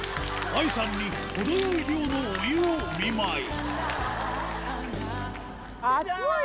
ＡＩさんに程よい量のお湯をお見舞い。